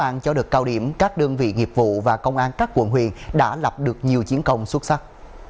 những các đơn vị nghiệp vụ và công an các quận huyền đã lập được nhiều chiến công xuất sắc